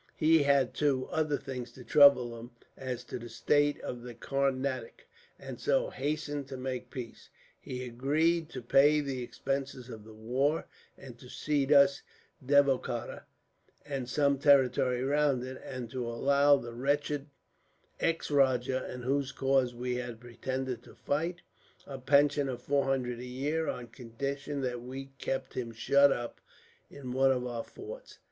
He had, too, other things to trouble him as to the state of the Carnatic, and so hastened to make peace. He agreed to pay the expenses of the war, and to cede us Devikota and some territory round it; and to allow the wretched ex rajah, in whose cause we had pretended to fight, a pension of four hundred a year, on condition that we kept him shut up in one of our forts.